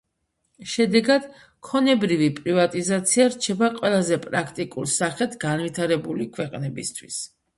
შედეგად, ქონებრივი პრივატიზაცია რჩება ყველაზე პრაქტიკულ სახედ განვითარებული ქვეყნებისთვის.